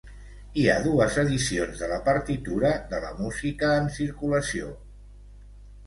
Hi ha dues edicions de la partitura de la música en circulació.